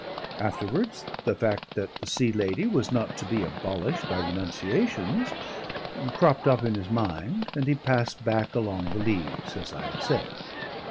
Afterwards the fact that the Sea Lady was not to be abolished by renunciations, cropped up in his mind, and he passed back along the Leas, as I have said.